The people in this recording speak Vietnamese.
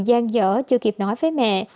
con cũng có nhiều gian dở chưa kịp nói với mẹ